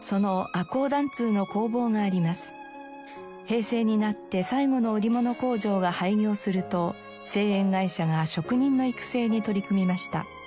平成になって最後の織物工場が廃業すると製塩会社が職人の育成に取り組みました。